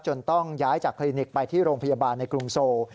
ต้องย้ายจากคลินิกไปที่โรงพยาบาลในกรุงโซล